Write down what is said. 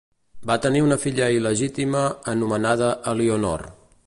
Va tenir una filla il·legítima anomenada Elionor.